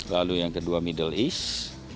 lalu yang kedua middle east